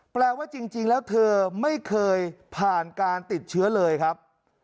แปลว่าจริงแล้วเธอไม่เคยผ่านการติดเชื้อเลยครับ